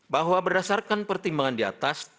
bahwa berdasarkan pertimbangan di atas